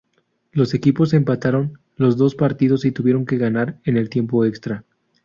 Los equipos empataron los dos partidos y tuvieron que ganar en el tiempo extra.